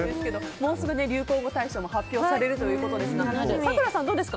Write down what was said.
もうすぐ流行語大賞も発表されるということですが咲楽さん、どうですか？